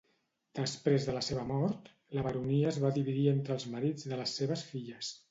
Després de la seva mort, la baronia es va dividir entre els marits de les seves filles.